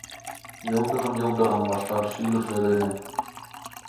«Йылдырым-йылдырым ваштар шӱдыржӧ дене